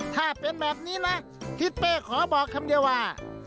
ถ้าเป็นแบบนี้นะทิศเป้ขอบอกคำเดียวว่า